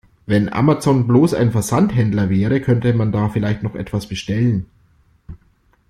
Wenn Amazon bloß ein Versandhändler wäre, könnte man da vielleicht noch etwas bestellen.